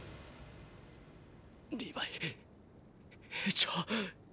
リヴァイ兵長。